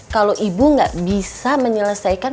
kalo ibu ga bisa menyelesaikan